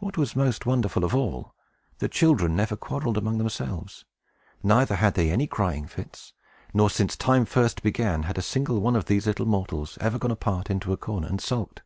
What was most wonderful of all, the children never quarreled among themselves; neither had they any crying fits; nor, since time first began, had a single one of these little mortals ever gone apart into a corner, and sulked.